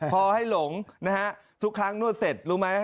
พอให้หลงนะฮะทุกครั้งนวดเสร็จรู้ไหม